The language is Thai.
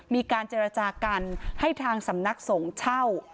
มีการเจรจากันให้ทางสำนักสงฆ์เช่า